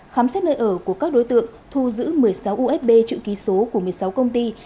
khám xét nơi ở của các đối tượng thu giữ một mươi sáu usb chữ ký số của một mươi sáu công ty